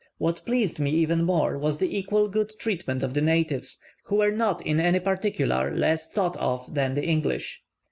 What pleased me even more was the equal good treatment of the natives, who were not in any particular less thought of than the English.